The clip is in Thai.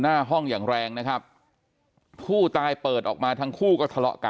มีเพื่อนข้างห้องอีกคนหนึ่งนะครับบอกว่า